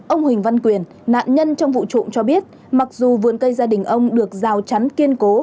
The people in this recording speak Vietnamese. ông huỳnh văn quyền nạn nhân trong vụ trộm cho biết mặc dù vườn cây gia đình ông được rào chắn kiên cố